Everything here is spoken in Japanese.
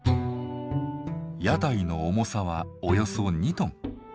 屋台の重さはおよそ２トン。